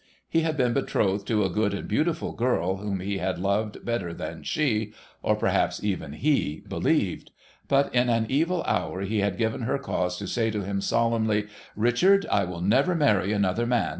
He had been betrothed to a good and beautiful girl, whom he had loved better than she— or perhaps even he — believed ; but in an evil hour he had given her cause to say to him solemnly, ' Richard, I will never marry another man.